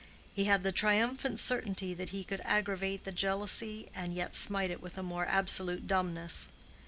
He had the triumphant certainty that he could aggravate the jealousy and yet smite it with a more absolute dumbness.